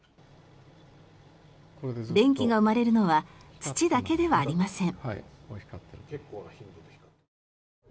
電気が生まれるのは土だけではありません。